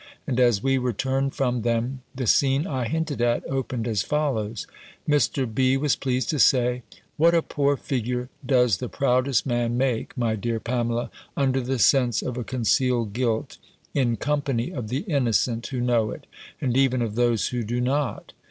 And as we returned from them, the scene I hinted at, opened as follows: Mr. B. was pleased to say, "What a poor figure does the proudest man make, my dear Pamela, under the sense of a concealed guilt, in company of the innocent who know it, and even of those who do not!